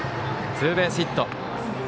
ツーベースヒット。